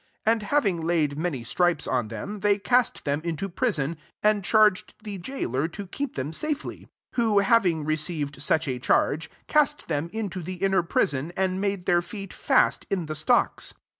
25 And having laid many stripes on them, they cast them into prison, and charge ed the gaoler to keep them safely : 24 who, having recek ed such a charge, cast thena into the inner prison, and made their feet hal in the stock9.